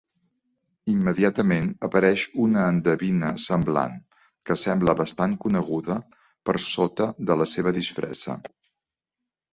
Immediatament apareix una endevina semblant, que sembla bastant coneguda per sota de la seva disfressa.